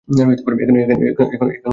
এখনো আলো জ্বালবে না?